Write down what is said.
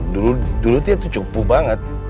dulu tuh dia cupu banget